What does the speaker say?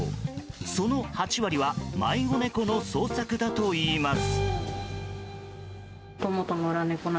その８割は迷子猫の捜索だといいます。